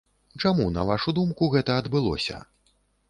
Чаму, на вашу думку, гэта адбылося?